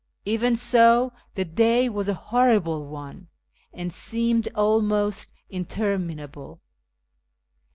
Even so the day was a horrible one, and seemed almost interminable.